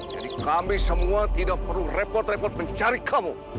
jadi kami semua tidak perlu repot repot mencari kamu